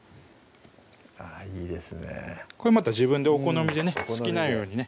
あぁいいですねこれまた自分でお好みでね好きなようにね